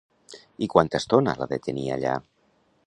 I quanta estona l'ha de tenir allà?